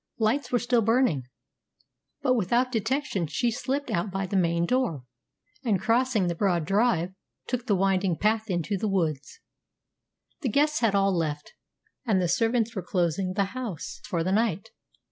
Lights were still burning; but without detection she slipped out by the main door, and, crossing the broad drive, took the winding path into the woods. The guests had all left, and the servants were closing the house for the night.